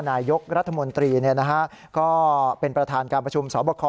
นายกรัฐมนตรีก็เป็นประธานการประชุมสอบคอ